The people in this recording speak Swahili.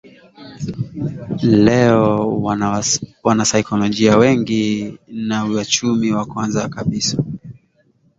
Leo wanasaikolojia wengi na wachumi na kwanza kabisa